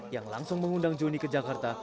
yang langsung mengundang joni ke jakarta